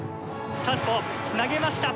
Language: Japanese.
サウスポー投げました。